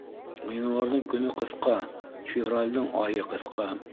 Ғинуарҙың көнө ҡыҫҡа, февралдең айы ҡыҫҡа.